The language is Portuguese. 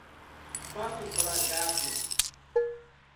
Pato Bragado